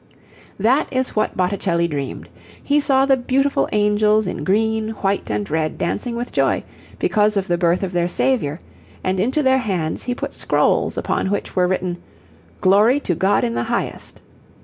] That is what Botticelli dreamed. He saw the beautiful angels in green, white, and red dancing with joy, because of the birth of their Saviour, and into their hands he put scrolls, upon which were written: 'Glory to God in the Highest.'